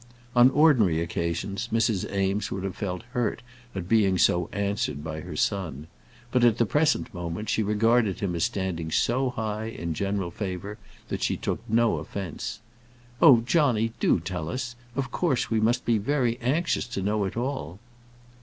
On ordinary occasions, Mrs. Eames would have felt hurt at being so answered by her son; but at the present moment she regarded him as standing so high in general favour that she took no offence. "Oh, Johnny, do tell us. Of course we must be very anxious to know it all."